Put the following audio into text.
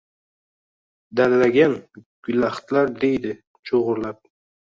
dallagan gulaxtlar deydi chugʼurlab